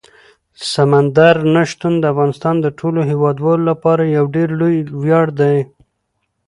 سمندر نه شتون د افغانستان د ټولو هیوادوالو لپاره یو ډېر لوی ویاړ دی.